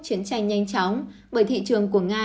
chiến tranh nhanh chóng bởi thị trường của nga